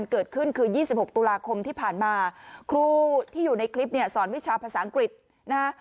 เกิดขึ้นคือ๒๖ตุลาคมที่ผ่านมาครูที่อยู่ในคลิปเนี่ยสอนวิชาภาษาอังกฤษนะฮะ